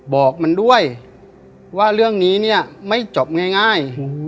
บอกมันด้วยว่าเรื่องนี้เนี่ยไม่จบง่าย